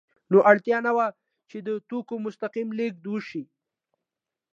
نور اړتیا نه وه چې د توکو مستقیم لېږد وشي